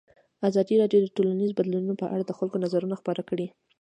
ازادي راډیو د ټولنیز بدلون په اړه د خلکو نظرونه خپاره کړي.